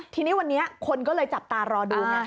ทีนี้วันนี้คนก็เลยจับตารอดูไง